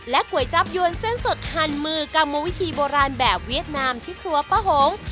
ก๋วยจับยวนเส้นสดหั่นมือกรรมวิธีโบราณแบบเวียดนามที่ครัวป้าหง